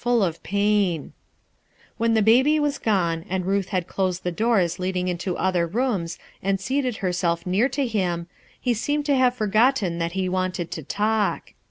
^^en the baby was gono , Jt^ closed the doors leading into other men, seated herself near to him, he seemed to hav forgotten that he wanted to talk.